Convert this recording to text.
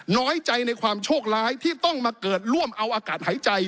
น้อยใจในความโชคร้ายที่ต้องมาเกิดร่วมเอาอากาศหายใจ